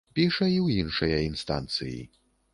Піша і ў іншыя інстанцыі.